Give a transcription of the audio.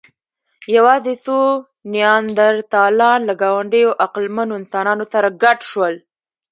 یواځې څو نیاندرتالان له ګاونډيو عقلمنو انسانانو سره ګډ شول.